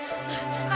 kalian berdua emang